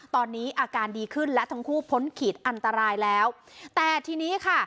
ตอนนี้อาการดีขึ้นและทั้งคู่พ้นขีดอันตรายแล้วแต่ทีนี้ค่ะ